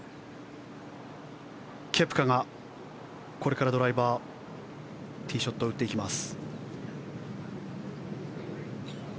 ケプカがこれからドライバーティーショットを打っていきます。